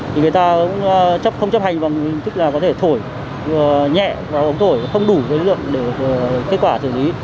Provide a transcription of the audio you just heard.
thì người ta cũng không chấp hành bằng tích là có thể thổi nhẹ và ống thổi không đủ lực lượng để kết quả xử lý